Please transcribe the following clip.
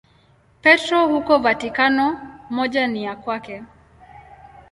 Petro huko Vatikano, moja ni ya kwake.